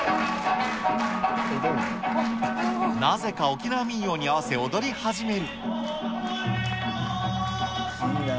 なぜか沖縄民謡に合わせ、踊り始める。